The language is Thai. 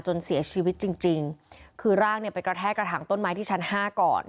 จนเสียชีวิตจริงจริงคือร่างเนี่ยไปกระแทกกระถางต้นไม้ที่ชั้นห้าก่อน